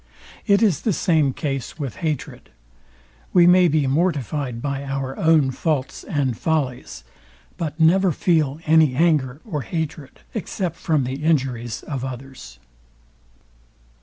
It is the same case with hatred. We may be mortified by our own faults and follies; but never feel any anger or hatred except from the injuries of others.